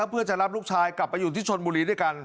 เพื่อจะรับลูกชายกลับไปอยู่ที่ชนบุรีด้วยกัน